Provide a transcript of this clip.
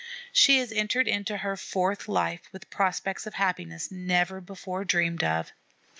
She has entered into her fourth life with prospects of happiness never before dreamed of.